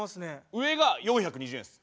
上が４２０円です。